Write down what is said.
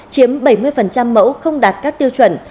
chiếm bảy mươi mẫu không đạt các tiêu chuẩn